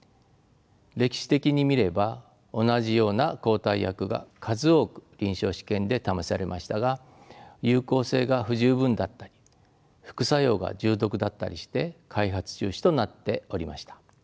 歴史的に見れば同じような抗体薬が数多く臨床試験で試されましたが有効性が不十分だったり副作用が重篤だったりして開発中止となっておりました。